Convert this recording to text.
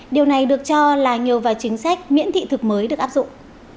điều này được cho là nhiều và chính sách miễn thị thực mới được áp dụng